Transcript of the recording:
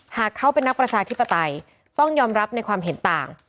หากเขาเป็นนักประชาธิปไตยต้องยอมรับในความเห็นต่าง